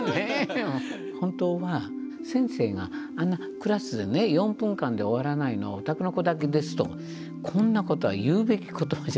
本当は先生があんなクラスでね４分間で終わらないのはお宅の子だけですとこんなことは言うべき言葉じゃ。